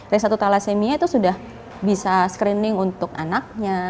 ring satu tala semia itu sudah bisa screening untuk anaknya